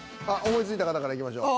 思いついた方からいきましょう。